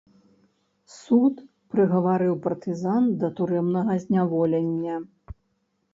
Суд прыгаварыў партызан да турэмнага зняволення.